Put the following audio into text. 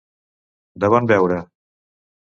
De bon veure.